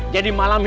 jadi malam ini